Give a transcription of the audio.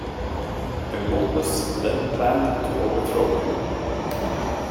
Eumolpus then planned to overthrow him.